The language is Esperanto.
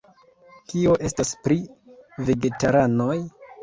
Kio estas pri vegetaranoj?